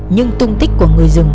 nhưng tung tích của người rừng